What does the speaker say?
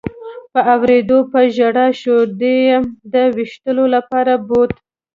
په اورېدو په ژړا شو، دی یې د وېشتلو لپاره بوت.